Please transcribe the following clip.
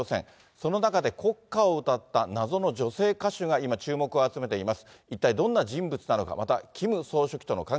その中で国歌を歌った謎の女性歌手が今、注目を集めています。